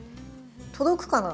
届くかな？